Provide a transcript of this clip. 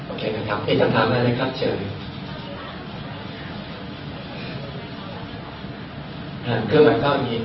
โอเคนะครับเป็นคำถามแล้วนะครับเชิญ